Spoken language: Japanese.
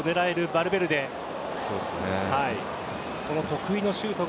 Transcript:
得意のシュート。